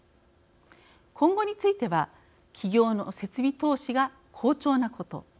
今後については企業の設備投資が好調なこと。